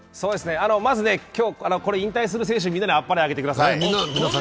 まず、引退する選手みんなにあっぱれあげてください。